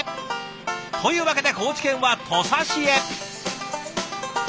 というわけで高知県は土佐市へ。